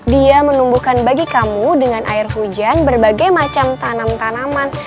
dia menumbuhkan bagi kamu dengan air hujan berbagai macam tanam tanaman